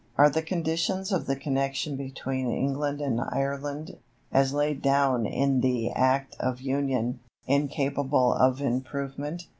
Are the conditions of the connection between England and Ireland, as laid down in the Act of Union, incapable of improvement?